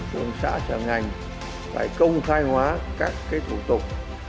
phường xã sở ngành phải công khai hóa các thủ tục